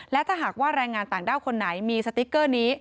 และถ้าหากว่าแรงงานต่างด้าวคนไหนมีสติ๊กเกอร์นี้